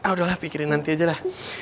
udah lah pikirin nanti aja lah